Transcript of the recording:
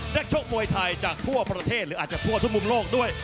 ชกมวยไทยจากทั่วประเทศหรืออาจจะทั่วทุกมุมโลกด้วย